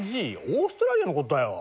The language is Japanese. オーストラリアのことだよ。